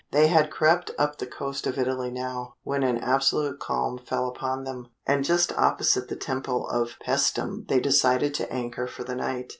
They had crept up the coast of Italy now, when an absolute calm fell upon them, and just opposite the temple of Paestum they decided to anchor for the night.